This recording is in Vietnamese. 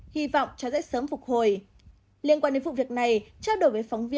hy vọng trái rẽ sớm phục hồi